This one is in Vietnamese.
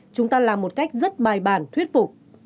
chúng ta làm một cách rất bài bản thuyết phục